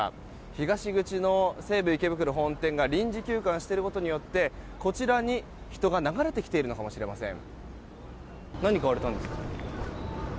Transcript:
東口の西武池袋本店が臨時休館していることによってこちらに人が流れてきているのかもしれません。